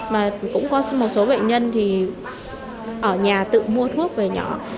mà cũng có một số bệnh nhân thì ở nhà tự mua thuốc về nhỏ